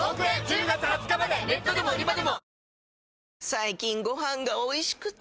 最近ご飯がおいしくて！